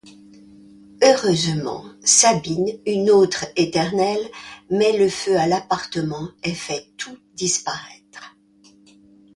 Heureusement, Sabine, une autre Éternelle, met le feu à l'appartement et fait tout disparaître.